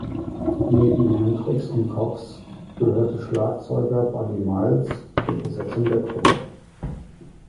Neben Hendrix und Cox gehörte Schlagzeuger Buddy Miles zur Besetzung der Gruppe.